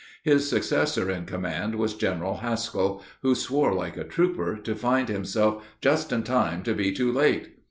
His successor in command was General Hascall, who swore like a trooper to find himself "just in time to be too late."